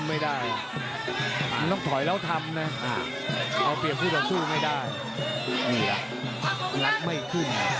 ไม่ได้มันต้องถอยแล้วทำนะเอาเปรียบคู่ต่อสู้ไม่ได้นี่ล่ะงัดไม่ขึ้น